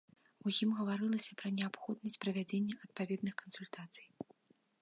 У ім гаварылася пра неабходнасць правядзення адпаведных кансультацый.